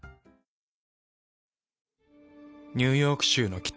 ニューヨーク州の北。